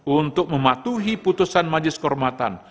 untuk mematuhi putusan majlis kormatan